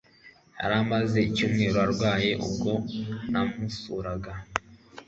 Yari amaze icyumweru arwaye ubwo namusuraga